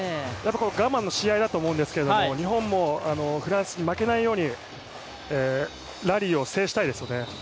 我慢のしあいだと思うんですけど日本もフランスに負けないようにラリーを制したいですよね。